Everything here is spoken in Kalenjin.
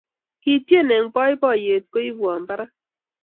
ketien eng poipoiyet koipwaa parak